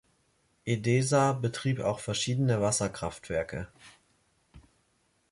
Endesa betrieb auch verschiedene Wasserkraftwerke.